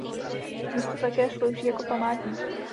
Místo také slouží jako památník.